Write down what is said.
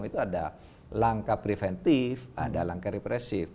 jadi kalau dalam ilmu hukum itu ada langkah preventif ada langkah repressif